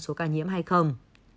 số ca nhiễm hay không